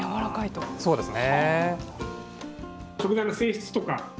そうですね。